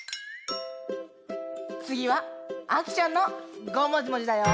つぎはあきちゃんの「ごもじもじ」だよ。